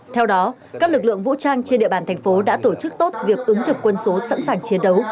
theo đó các lực lượng vũ trang trên địa bàn thành phố đã tổ chức tốt việc ứng trực quân số sẵn sàng chiến đấu